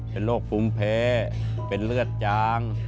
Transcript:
เป็นโรคภูมิแพ้เป็นเลือดจาง